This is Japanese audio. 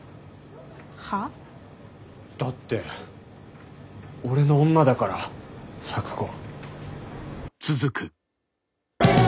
は？だって俺の女だから咲子。